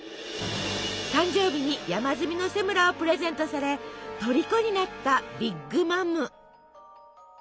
誕生日に山積みのセムラをプレゼントされとりこになったビッグ・マム。